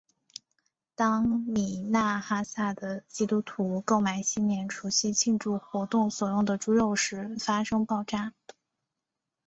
当米纳哈萨的基督徒购买新年除夕庆祝活动所用的猪肉时发生爆炸。